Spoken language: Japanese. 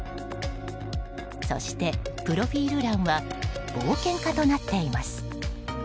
そしてプロフィール欄は冒険家となっています。